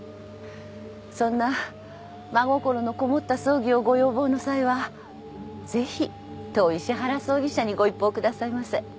そんな真心のこもった葬儀をご要望の際はぜひ当石原葬儀社にご一報くださいませ。